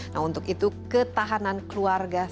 nah untuk itu ketahanan keluarga